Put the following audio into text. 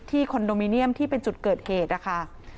คอนโดมิเนียมที่เป็นจุดเกิดเหตุนะคะ